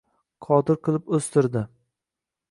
Qodir qilib o’stirdi.